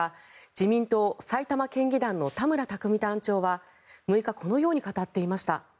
自民党埼玉県議団の田村琢実団長は６日このように語っていました。